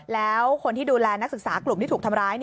แล้วคนที่ดูแลนักศึกษากลุ่มที่ถูกทำร้าย